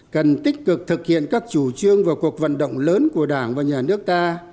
cần tích cực thực hiện các chủ trương và cuộc vận động lớn của đảng và nhà nước ta